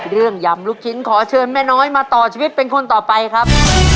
ยำลูกชิ้นขอเชิญแม่น้อยมาต่อชีวิตเป็นคนต่อไปครับ